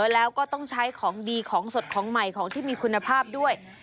แล้วก็ต้องใช้ของดีของสดของใหม่ของที่มีคุณภาพด้วย